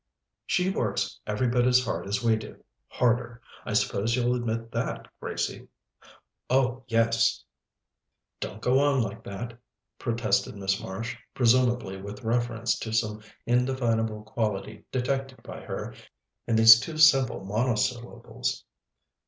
"She works every bit as hard as we do harder. I suppose you'll admit that, Gracie?" "Oh yes." "Don't go on like that," protested Miss Marsh, presumably with reference to some indefinable quality detected by her in these two simple monosyllables.